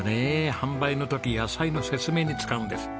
販売の時野菜の説明に使うんです。